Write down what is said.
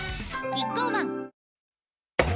キッコーマン